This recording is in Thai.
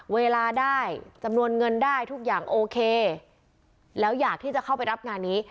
เวลาได้จำนวนเงินได้ทุกอย่างโอเคแล้วอยากที่จะเข้าไปรับงานนี้